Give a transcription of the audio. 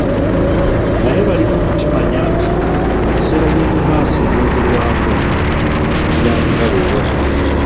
Naye balina okukimanya nti ebiseera eby'omumaaso ebyogerwako bitandika leero .